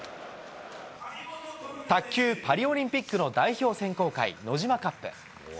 卓球パリオリンピックの代表選考会、ノジマカップ。